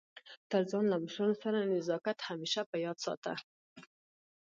تر ځان له مشرانو سره نزاکت همېشه په یاد ساته!